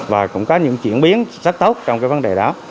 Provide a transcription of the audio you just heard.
và cũng có những chuyển biến rất tốt trong cái vấn đề đó